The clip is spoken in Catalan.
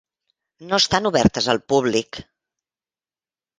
No estan obertes al públic.